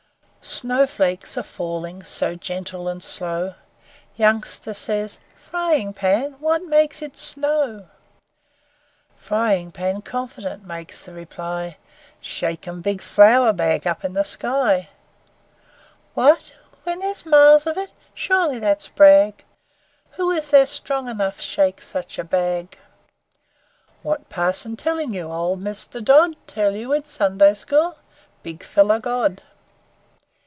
Snowflakes are falling So gentle and slow, Youngster says, 'Frying Pan, What makes it snow?' Frying Pan confident Makes the reply 'Shake 'em big flour bag Up in the sky!' 'What! when there's miles of it! Sur'ly that's brag. Who is there strong enough Shake such a bag?' 'What parson tellin' you, Ole Mister Dodd, Tell you in Sunday school? Big feller God!